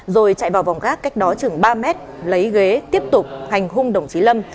rồi chạy vào vòng gác cách đó chừng ba mét lấy ghế tiếp tục hành hung đồng chí lâm